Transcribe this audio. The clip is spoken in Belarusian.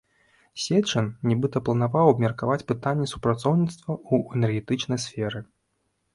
Сечын, нібыта, планаваў абмеркаваць пытанні супрацоўніцтва ў энергетычнай сферы.